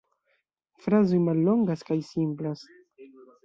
Frazoj mallongas kaj simplas.